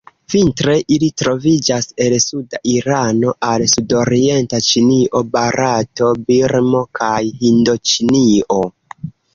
Vintre ili troviĝas el suda Irano al sudorienta Ĉinio, Barato, Birmo kaj Hindoĉinio.